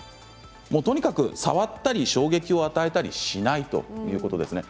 とにかく触ったり衝撃を与えたりしないということですね。